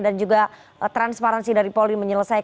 dan juga transparansi dari polri